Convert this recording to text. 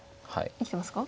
生きてますか？